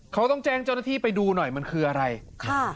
เขาต้องแจ้งเจ้าหน้าที่ไปดูหน่อยมันคืออะไรค่ะ